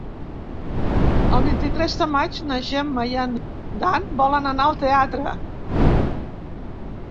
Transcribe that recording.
El vint-i-tres de maig na Gemma i en Dan volen anar al teatre.